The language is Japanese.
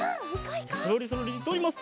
じゃあそろりそろりとおります！